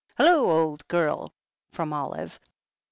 "Hullo, ole gurl!" from Olive.